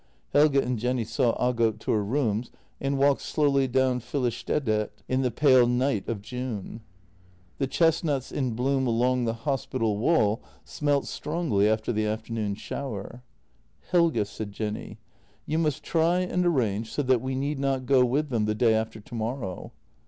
Helge and Jenny saw Aagot to her rooms and walked slowly down Pilestaedet in the pale night of June. The chestnuts in bloom along the hospital wall smelt strongly after the after noon shower. "Helge," said Jenny, "you must try and arrange so that we need not go with them the day after tomorrow."